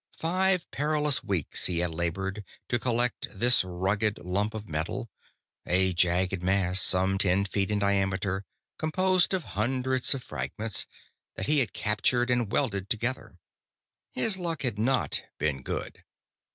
Five perilous weeks he had labored, to collect this rugged lump of metal a jagged mass, some ten feet in diameter, composed of hundreds of fragments, that he had captured and welded together. His luck had not been good.